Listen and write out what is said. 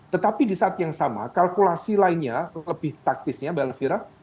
tetapi di saat yang sama kalkulasi lainnya lebih taktisnya mbak elvira